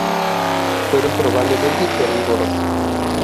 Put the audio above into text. Fueron probablemente herbívoros.